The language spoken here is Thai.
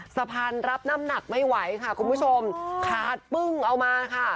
สะพานรับน้ำหนักไม่ไหวค่ะคุณผู้ชมขาดปึ้งเอามาค่ะ